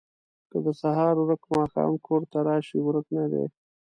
ـ که د سهار ورک ماښام کور ته راشي ورک نه دی